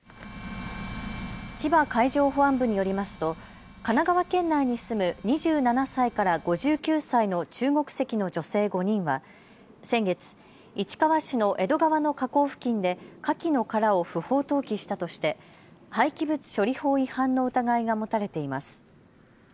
千葉海上保安部によりますと神奈川県内に住む２７歳から５９歳の中国籍の女性５人は先月、市川市の江戸川の河口付近でかきの殻を不法投棄したとして廃棄物処理法違反の疑いが持たれています。